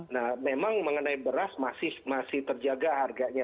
nah memang mengenai beras masih terjaga harganya